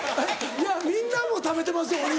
いやみんなも食べてますよお肉。